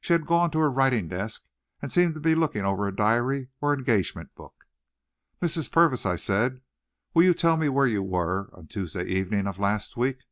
She had gone to her writing desk, and seemed to be looking over a diary or engagement book. "Mrs. Purvis," I said, "will you tell me where you were on Tuesday evening of last week?"